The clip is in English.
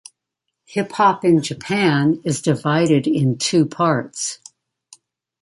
Hip hop in Japan is divided in two parts.